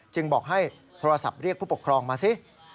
บอกให้โทรศัพท์เรียกผู้ปกครองมาสิ